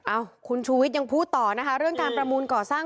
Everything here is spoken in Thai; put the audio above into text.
คุณชูวิทย์ยังพูดต่อนะคะเรื่องการประมูลก่อสร้าง